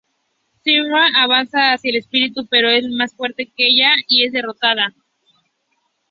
Zimmermann avanza hacia al espíritu pero es más fuerte que ella y es derrotada.